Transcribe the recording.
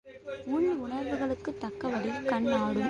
உள் உணர்வுகளுக்குத் தக்கபடி கண் ஆடும்.